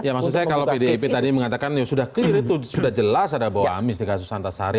ya maksud saya kalau pdip tadi mengatakan ya sudah clear itu sudah jelas ada bau amis di kasus antasari